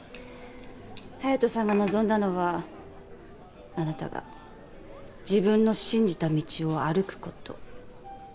勇仁さんが望んだのはあなたが自分の信じた道を歩く事。